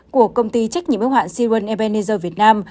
của công ty trách nhiệm ưu hoạn siren ebenezer việt nam